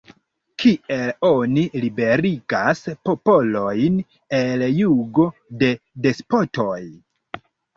Kiel oni liberigas popolojn el jugo de despotoj?